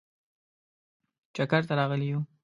چکر ته راغلي یو.